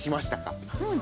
うん。